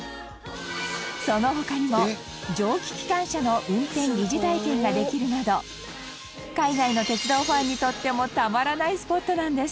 その他にも、蒸気機関車の運転疑似体験ができるなど海外の鉄道ファンにとってもたまらないスポットなんです